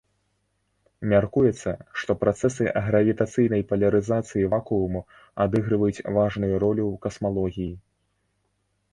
Мяркуецца, што працэсы гравітацыйнай палярызацыі вакууму адыгрываюць важную ролю ў касмалогіі.